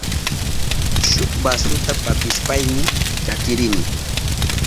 Shuk basuta pakishpayni llakirini.